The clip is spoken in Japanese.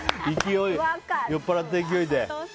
酔っぱらった勢いで。